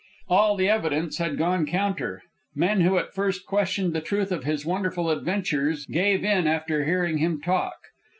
All the evidence had gone counter. Men who at first questioned the truth of his wonderful adventures gave in after hearing him talk.